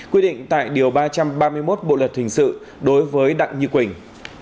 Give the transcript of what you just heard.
quyết định tại điều ba trăm ba mươi một bộ lật thình sự đối với đặng như quỳnh